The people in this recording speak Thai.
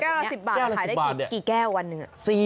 แก้วละ๑๐บาทขายได้กี่แก้ววันนึง